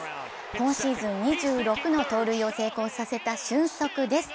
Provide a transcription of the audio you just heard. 今シーズン２６の盗塁を成功させた俊足です。